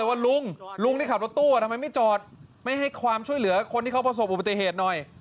หลุงรุ่งที่ขับรถตู้ด้วยไม่จอดไม่ให้ความช่วยเหลือคนที่เข้าประสบอุปเจติหน่อย